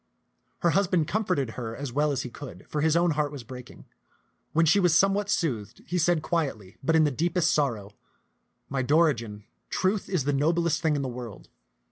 Her husband comforted her as well as he could, for his own heart was breaking. When she was some what soothed, he said quietly, but in the deepest sor row, " My Dorigen, truth is the noblest thing in the world.